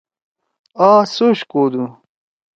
آ سوچ کودُو۔